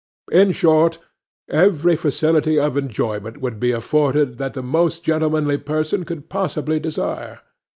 In short, every facility of enjoyment would be afforded that the most gentlemanly person could possibly desire.